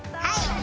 はい！